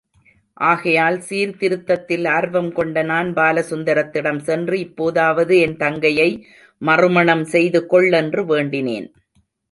ஆகையால் சீர்திருத்தத்தில் ஆர்வம் கொண்ட நான், பாலசுந்தரத்திடம் சென்று இப்போதாவது என் தங்கையை மறுமணம் செய்துகொள் என்று வேண்டினேன்.